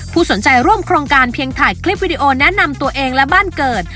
สนใจร่วมโครงการเพียงถ่ายคลิปวิดีโอแนะนำตัวเองและบ้านเกิด